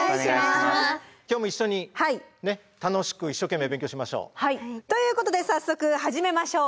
今日も一緒に楽しく一生懸命勉強しましょう。ということで早速始めましょう。